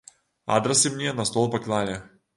Адрасы мне на стол паклалі.